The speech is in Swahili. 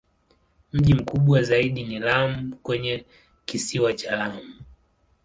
Mji mkubwa zaidi ni Lamu kwenye Kisiwa cha Lamu.